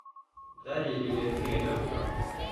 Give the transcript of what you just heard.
Däri ligger det breda uppdraget.